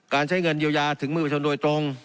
ใช้เงินเยียวยาถึงมือประชนโดยตรง